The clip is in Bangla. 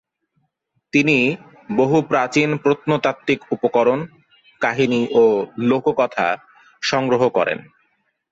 তিনি বহু প্রাচীন প্রত্নতাত্ত্বিক উপকরণ, কাহিনী ও লোককথা সংগ্রহ করেন।